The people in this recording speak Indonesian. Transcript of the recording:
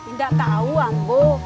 nggak tahu ambo